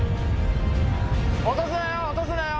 落とすなよ落とすなよ！